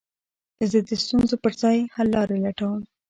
زه د ستونزو پر ځای، حللاري لټوم.